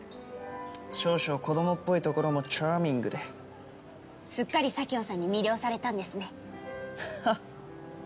少々子どもっぽいところもチャーミングですっかり佐京さんに魅了されたんですねはっ